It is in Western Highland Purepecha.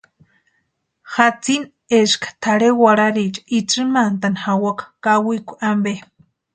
Jatsini eska tʼarhe warhariecha intsïmantani jawaka kawikwa ampe.